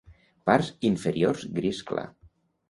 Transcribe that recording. Parts inferiors gris clar.